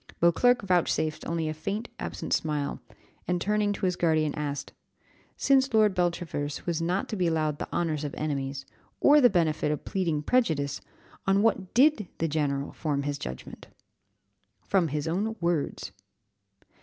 Beauclerc vouchsafed only a faint, absent smile, and, turning to his guardian, asked "Since Lord Beltravers was not to be allowed the honours of enemies, or the benefit of pleading prejudice, on what did the general form his judgment?" "From his own words."